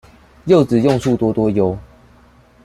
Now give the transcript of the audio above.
柚子用處多多唷